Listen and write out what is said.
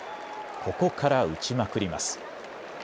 ここから打ちまくります。